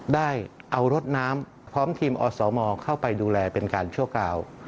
ได้เอารถน้ำพร้อมทีมอสมเข้าไปดูแลเป็นการชั่วคราว